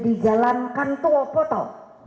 dijalankan tuh apa tau